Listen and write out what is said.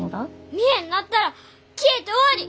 見えんなったら消えて終わり！